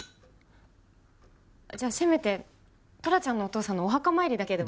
じゃあせめてトラちゃんのお父さんのお墓参りだけでも。